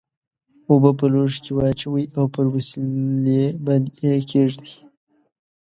اوبه په لوښي کې واچوئ او پر وسیلې باندې یې کیږدئ.